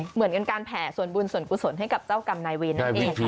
เหมือนกันการแผ่ส่วนบุญส่วนกุศลให้กับเจ้ากรรมนายเวรนั่นเอง